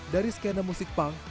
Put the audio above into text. dari skena musik punk